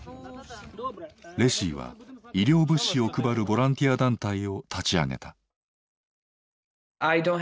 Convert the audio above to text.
レシィは医療物資を配るボランティア団体を立ち上げた。